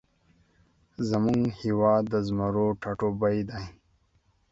زمونږ هیواد د زمرو ټاټوبی دی